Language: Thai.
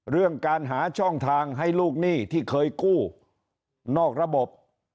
เรื่องการหาช่องทางให้ลูกหนี้ที่เคยกู้นอกระบบ